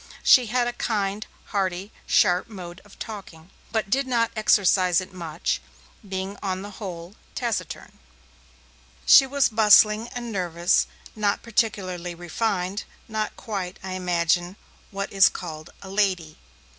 She had a kind, hearty, sharp mode of talking, but did not exercise it much, being on the whole taciturn. She was bustling and nervous, not particularly refined, not quite, I imagine, what is called 'a lady'.